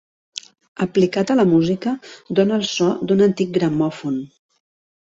Aplicat a la música, dóna el so d'un antic gramòfon.